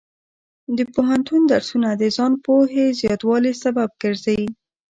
د پوهنتون درسونه د ځان پوهې زیاتوالي سبب ګرځي.